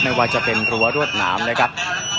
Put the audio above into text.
การประตูกรมทหารที่สิบเอ็ดเป็นภาพสดขนาดนี้นะครับ